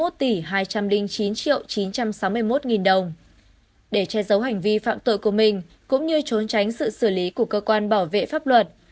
để che giấu hành vi phạm tội của mình cũng như trốn tránh sự xử lý của cơ quan bảo vệ pháp luật